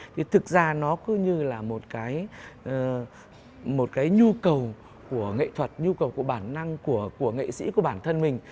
thì thực ra nó cứ như là một cái nhu cầu của nghệ thuật nhu cầu của bản năng của nghệ sĩ của bản thân mình